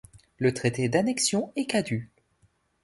Le traité d'annexion est caduc.